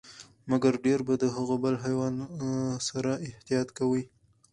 مګر ډیر به د هغه بل حیوان سره احتياط کوئ،